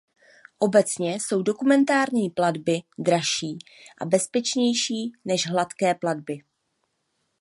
Obecně jsou dokumentární platby dražší a bezpečnější než hladké platby.